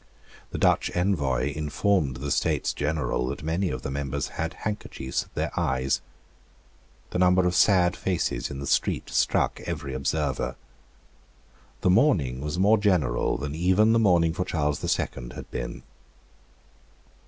The Dutch envoy informed the States General that many of the members had handkerchiefs at their eyes. The number of sad faces in the street struck every observer. The mourning was more general than even the mourning for Charles the Second had been.